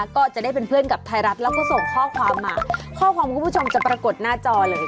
ก็จะได้เป็นเพื่อนกับไทยรัฐแล้วก็ส่งข้อความมาข้อความคุณผู้ชมจะปรากฏหน้าจอเลย